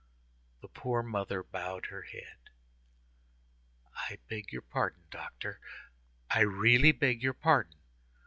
The poor mother bowed her head. "I beg your pardon, doctor, I really beg your pardon.